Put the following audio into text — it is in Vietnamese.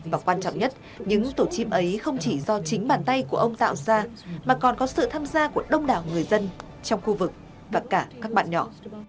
và quan trọng nhất những tổ chim ấy không chỉ do chính bàn tay của ông tạo ra mà còn có sự tham gia của đông đảo người dân trong khu vực và cả các bạn nhỏ